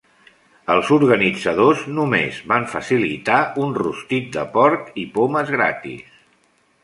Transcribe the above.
Els organitzadors només van facilitar un rostit de porc i pomes gratis.